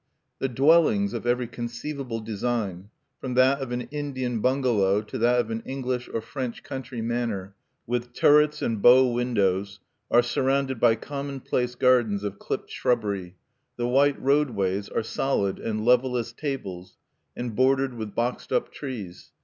The dwellings, of every conceivable design from that of an Indian bungalow to that of an English or French country manor, with turrets and bow windows are surrounded by commonplace gardens of clipped shrubbery; the white roadways are solid and level as tables, and bordered with boxed up trees.